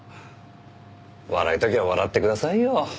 笑いたきゃ笑ってくださいよ。